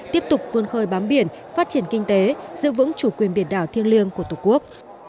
tiếp tục vươn khơi bám biển phát triển kinh tế giữ vững chủ quyền biển đảo thiêng liêng của tổ quốc